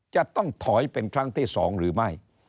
จะต้องถอยเป็นครั้งที่๒หรือไม่